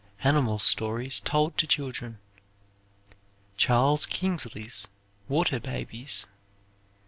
Animal stories told to children. Charles Kingsley's "Water Babies."